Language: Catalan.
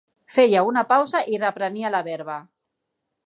Feia una pausa i reprenia la verba.